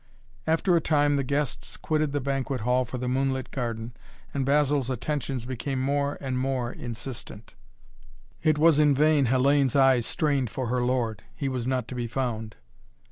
After a time the guests quitted the banquet hall for the moonlit garden, and Basil's attentions became more and more insistent. It was in vain Hellayne's eyes strained for her lord. He was not to be found.